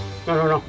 tunggu tunggu tunggu